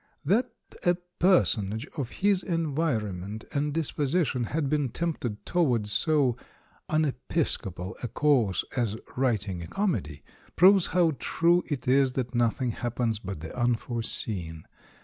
That a personage of his environment and dis position had been tempted towards so unepisco pal a course as writing a comedy, proves how true it is that nothing happens but the unforeseen.